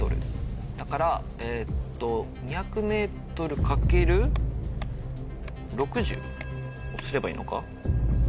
だからえっと２００ｍ×６０をすればいいのか？